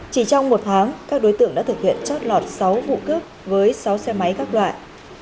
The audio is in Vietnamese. chỉ trong một tháng các đối tượng đã thực hiện chót lọt sáu vụ cướp với sáu xe máy các loại